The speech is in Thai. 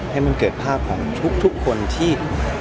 ให้มันเกิดภาพของทุกคนที่